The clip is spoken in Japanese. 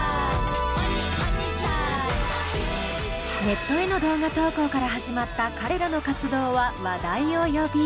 ネットへの動画投稿から始まった彼らの活動は話題を呼び。